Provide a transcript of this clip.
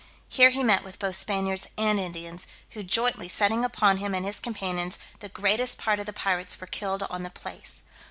Here he met with both Spaniards and Indians, who jointly setting upon him and his companions, the greatest part of the pirates were killed on the place.